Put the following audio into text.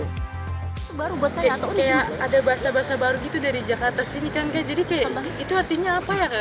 kayak ada bahasa bahasa baru gitu dari jakarta sini kan jadi kayak itu artinya apa ya kak